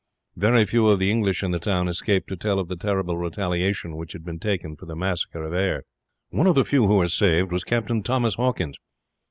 Very few of the English in the town escaped to tell of the terrible retaliation which had been taken for the massacre of Ayr. One of the few who were saved was Captain Thomas Hawkins.